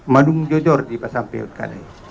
madung jocor di pasang piut kali